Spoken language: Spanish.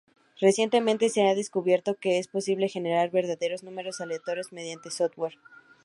Recientemente se ha descubierto que es posible generar verdaderos números aleatorios mediante software.